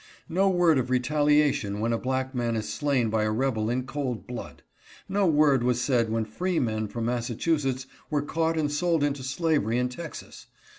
No word of retaliation when a black man is slain by a rebel in cold blood. No word was said when free men from Massachusetts were caught and sold into slavery in Texas.